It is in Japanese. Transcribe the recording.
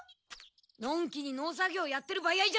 のんきに農作業やってるバヤイじゃない！